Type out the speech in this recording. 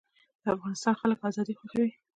د افغانستان خلک ازادي خوښوي